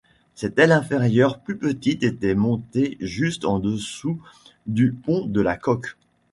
Cette aile inférieure plus petite était montée juste en-dessous du pont de la coque.